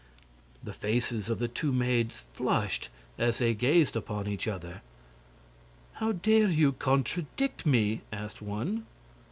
The faces of the two maids flushed as they gazed upon each other. "How DARE you contradict me?" asked one.